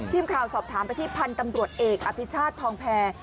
ทีมข่าวสอบถามไปที่พันธุ์ตำรวจเอกอภิชาติทองแพร